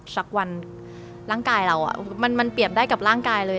สักวันร่างกายเรามันเปรียบได้กับร่างกายเลย